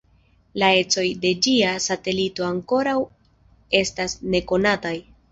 La ecoj de ĝia satelito ankoraŭ estas nekonataj.